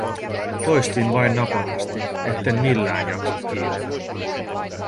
Toistin vain napakasti, etten millään jaksa kiivetä.